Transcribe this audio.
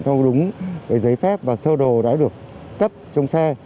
cho đúng cái giấy phép và sơ đồ đã được cấp trong xe